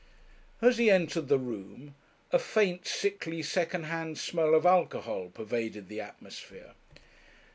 As he entered the room, a faint, sickly, second hand smell of alcohol pervaded the atmosphere.